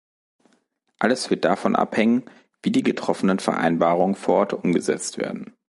Alles wird davon abhängen, wie die getroffenen Vereinbarungen vor Ort umgesetzt werden.